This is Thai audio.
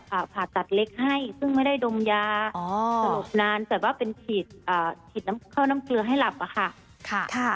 แล้วก็ผ่าตัดเล็กให้ซึ่งไม่ได้ดมยาสรุปนานแต่ว่าเป็นฉีดเข้าน้ำเกลือให้หลับนะคะ